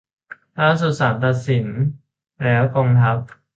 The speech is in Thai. ล่าสุดศาลตัดสินแล้วกองทัพ